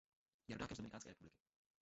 Je rodákem z Dominikánské republiky.